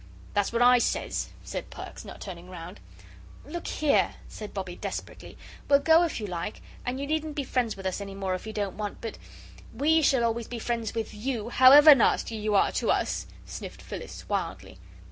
"That's what I says," said Perks, not turning round. "Look here," said Bobbie, desperately, "we'll go if you like and you needn't be friends with us any more if you don't want, but " "WE shall always be friends with YOU, however nasty you are to us," sniffed Phyllis, wildly.